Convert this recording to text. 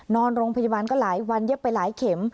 นอนโรงพยาบาลก็หลายวันเย็บไปหลายเข็ม